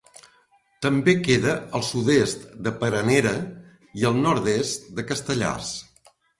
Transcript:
També queda al sud-est de Peranera i al nord-est de Castellars.